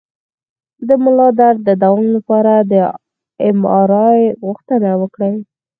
د ملا درد د دوام لپاره د ایم آر آی غوښتنه وکړئ